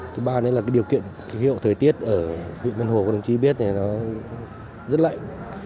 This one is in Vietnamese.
thứ ba là điều kiện hiệu thời tiết ở huyện vân hồ của đồng chí biết là rất lạnh